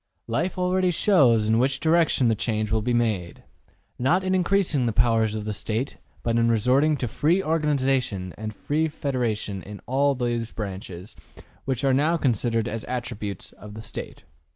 Life already shows in which direction the change will be made. Not in increasing the powers of the State, but in resorting to free organization and free federation in all those branches which are now considered as attributes of the State.''